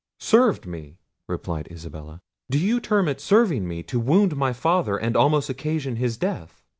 "Served me!" replied Isabella; "do you term it serving me, to wound my father, and almost occasion his death?